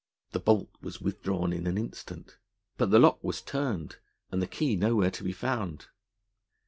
The bolt was withdrawn in an instant, but the lock was turned, and the key nowhere to be found.